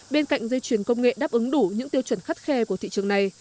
bên cạnh dây chuyển công nghệ đáp ứng đủ những tiêu chuẩn khắt khe của thị trường này